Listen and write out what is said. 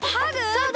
そうだ！